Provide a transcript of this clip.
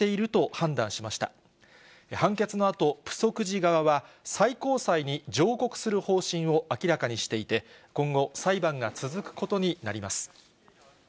判決のあと、プソク寺側は、最高裁に上告する方針を明らかにしていて、今後、裁判が続くことになります。